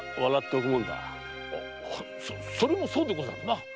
それもそうでござるな。